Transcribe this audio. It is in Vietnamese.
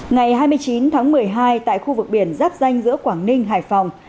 ngày hai mươi chín tháng một mươi hai tại khu vực biển giáp danh giữa quảng ninh hải phòng